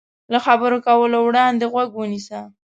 له خبرو کولو وړاندې غوږ ونیسه.